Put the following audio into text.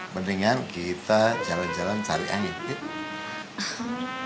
mendingan kita jalan jalan cari angin yuk